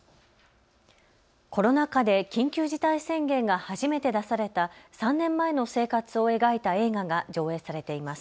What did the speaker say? コロナ禍で緊急事態宣言が初めて出された３年前の生活を描いた映画が上映されています。